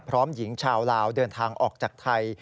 พร้อมหญิงชาวลาวเดินทางออกจากไทย